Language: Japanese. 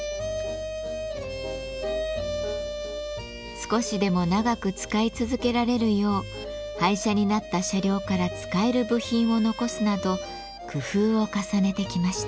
少しでも長く使い続けられるよう廃車になった車両から使える部品を残すなど工夫を重ねてきました。